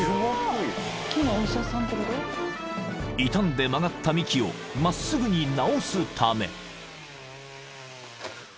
［傷んで曲がった幹を真っすぐになおすため］